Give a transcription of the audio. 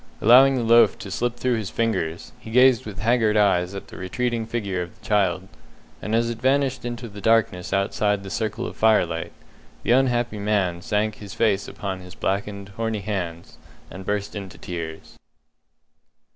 Allowing the loaf to slip through his fingers, he gazed with haggard eyes at the retreating figure of the child, and as it vanished into the darkness outside the circle of firelight, the unhappy man sank his face upon his blackened, horny hands, and burst into tears.